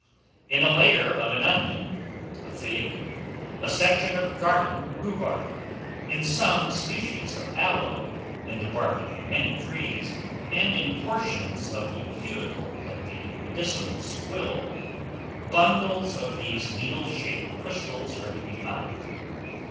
In a layer of an onion, a fig, a section of garden rhubarb, in some species of aloe, in the bark of many trees, and in portions of the cuticle of the medicinal squill, bundles of these needle shaped crystals are to be found.